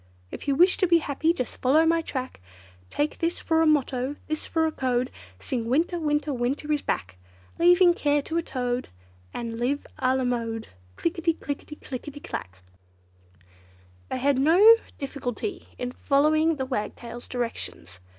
If you wish to be happy, just follow my track, Take this for a motto, this for a code, Sing 'winter, winter, winter is back!' Leave care to a toad, and live a la mode! Click i ti, click i ti clack! They had no difficulty in following the Wagtail's directions.